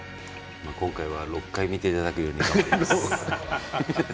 今回は６回見ていただけるように頑張ります。